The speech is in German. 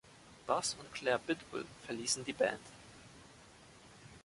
Baz und Claire Bidwell verließen die Band.